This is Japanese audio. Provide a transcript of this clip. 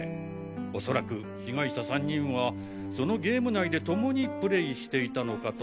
恐らく被害者３人はそのゲーム内で共にプレイしていたのかと。